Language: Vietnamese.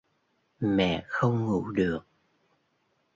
Mẹ không ngủ được